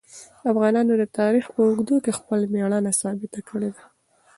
افغانانو د تاریخ په اوږدو کې خپل مېړانه ثابته کړې ده.